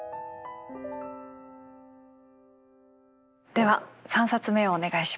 では３冊目をお願いします。